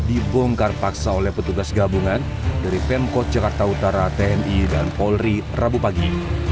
dibongkar paksa oleh petugas gabungan dari pemkot jakarta utara tni dan polri rabu pagi